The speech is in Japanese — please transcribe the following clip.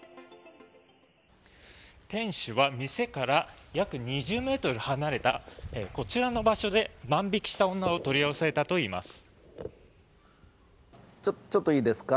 店主は店から約２０ｍ離れたこちらの場所で万引きした女を取り押さえたといいます。